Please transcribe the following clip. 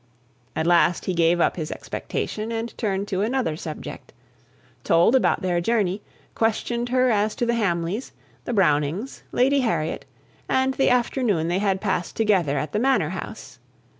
At last he gave up his expectation, and turned to another subject; told about their journey, questioned her as to the Hamleys, the Brownings, Lady Harriet, and the afternoon they had passed together at the Manor house.